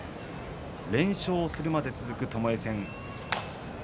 連勝するまで続くともえ戦。